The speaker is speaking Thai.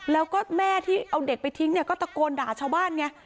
แล้วก็แม่ที่เอาเด็กไปทิ้งเนี่ยก็ตะโกนด่าชาวบ้านไง